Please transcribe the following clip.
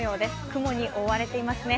雲に覆われていますね。